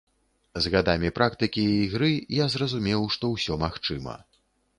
З гадамі практыкі і ігры я зразумеў, што ўсё магчыма.